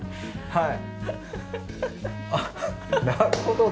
はい。